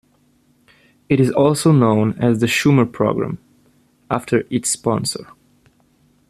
It is also known as the Schumer program, after its sponsor.